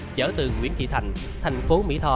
chở từ nguyễn thị thành thành phố mỹ tho